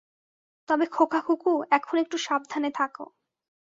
তবে খোকাখুকু, এখন একটু সাবধানে থাক।